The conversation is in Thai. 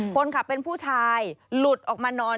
คนขับเป็นผู้ชายหลุดออกมานอน